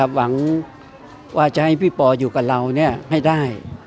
หวังว่าจะให้พี่ปออยู่กับเราให้ได้